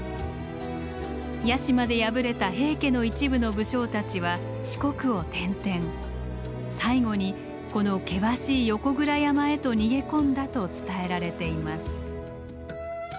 屋島で敗れた平家の一部の武将たちは四国を転々最後にこの険しい横倉山へと逃げ込んだと伝えられています。